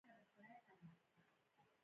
منم چې ته د حسن د رنګونو باډيوه يې